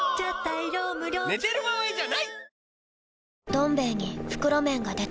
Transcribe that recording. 「どん兵衛」に袋麺が出た